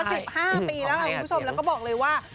๑๕ปีแล้วครับคุณผู้ชมแล้วก็บอกเลยว่า